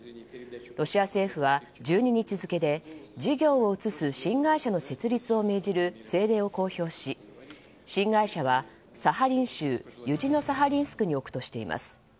ロシア政府は、１２日付で事業を移す新会社の設立を命じる政令を公表し、新会社はサハリン州ユジノサハリンスクに置くとしています。